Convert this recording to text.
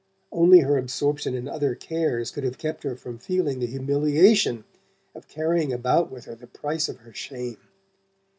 Only her absorption in other cares could have kept her from feeling the humiliation of carrying about with her the price of her shame.